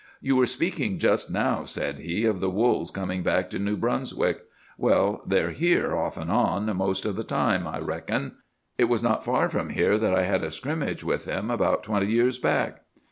"'You were speaking just now,' said he, 'of the wolves coming back to New Brunswick. Well, they're here, off and on, most of the time, I reckon. It was not far from here that I had a scrimmage with them about twenty years back.